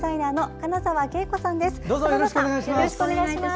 金沢さん、よろしくお願いします。